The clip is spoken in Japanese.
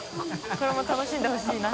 これも楽しんでほしいな。